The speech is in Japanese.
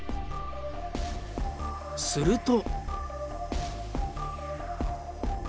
すると。